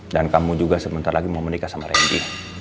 dan kamu juga sebentar lagi mau menikah sama randy